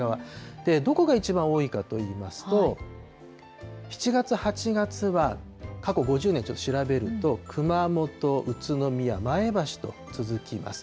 で、どこが一番多いかといいますと、７月、８月は過去５０年、調べると、熊本、宇都宮、前橋と続きます。